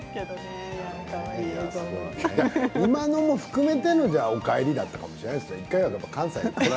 今のも含めてのお帰りだったかもしれないですね。